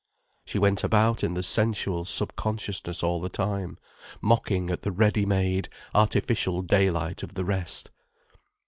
She went about in the sensual sub consciousness all the time, mocking at the ready made, artificial daylight of the rest.